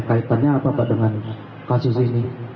kaitannya apa pak dengan kasus ini